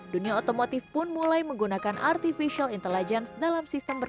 dunia otomotif pun mulai menggunakan artificial intelligence